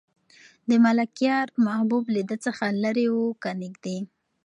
د ملکیار محبوب له ده څخه لرې و که نږدې؟